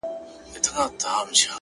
اوښکي دې توی کړلې ډېوې ـ راته راوبهيدې ـ